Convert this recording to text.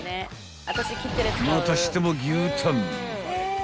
［またしても牛タン］